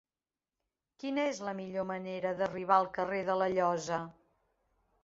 Quina és la millor manera d'arribar al carrer de la Llosa?